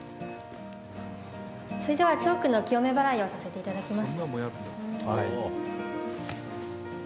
それでは、チョークの清めばらいをさせていただきます。